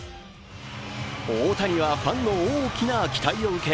大谷はファンの大きな期待を受け